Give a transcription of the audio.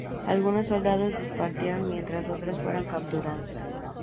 Algunos soldados desertaron mientras que otros fueron capturados.